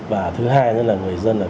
và thứ hai là người dân